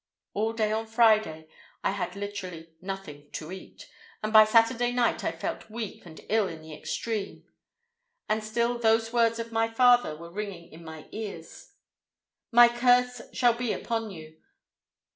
All day on Friday I had literally nothing to eat, and by Saturday night I felt weak and ill in the extreme; and still those words of my father were ringing in my ears, 'My curse shall be upon you.